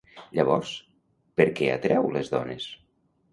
Llavors, per què atreu les dones?